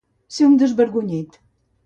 Ser un desvergonyit.